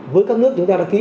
với các nước chúng ta đã ký